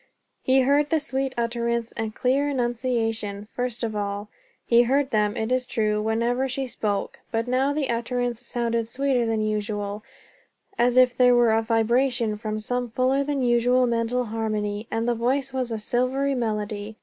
He heard the sweet utterance and clear enunciation, first of all; he heard them, it is true, whenever she spoke; but now the utterance sounded sweeter than usual, as if there were a vibration from some fuller than usual mental harmony, and the voice was of a silvery melody.